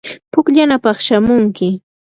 pukllanapaq shamunki.